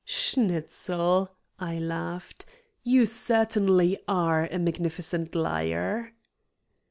"Schnitzel," I laughed, "you certainly are a magnificent liar."